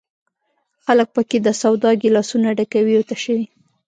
خلک په کې د سودا ګیلاسونه ډکوي او تشوي.